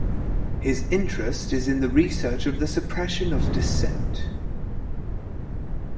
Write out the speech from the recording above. His interest is in the research of the suppression of dissent.